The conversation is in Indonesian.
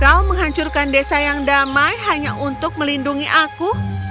kau menghancurkan desa yang damai hanya untuk melindungi aku